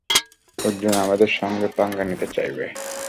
অর্জুন আমাদের সাথে পাঙ্গা নিতে চাইবে।